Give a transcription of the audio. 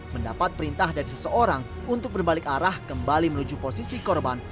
mendapat perintah dari seseorang untuk berbalik arah kembali menuju posisi korban